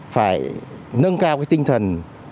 phải nâng cao cái tinh thần